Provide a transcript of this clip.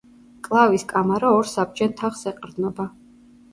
მკლავის კამარა ორ საბჯენ თაღს ეყრდნობა.